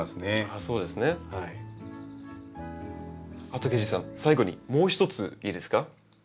あと下司さん最後にもう一ついいですか？